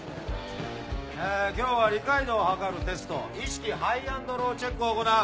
え今日は理解度を測るテスト意識Ｈｉｇｈ＆Ｌｏｗチェックを行う。